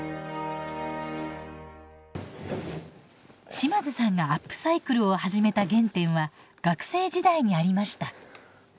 島津さんがアップサイクルを始めた原点は学生時代にありました。